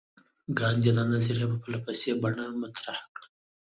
ګاندي دا نظریه په فلسفي بڼه مطرح کړه.